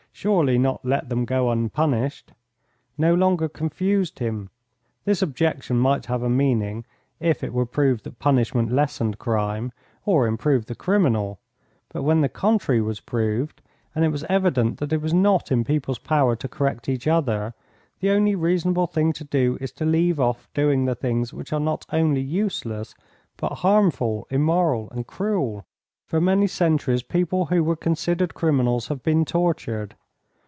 Surely not let them go unpunished?" no longer confused him. This objection might have a meaning if it were proved that punishment lessened crime, or improved the criminal, but when the contrary was proved, and it was evident that it was not in people's power to correct each other, the only reasonable thing to do is to leave off doing the things which are not only useless, but harmful, immoral and cruel. For many centuries people who were considered criminals have been tortured.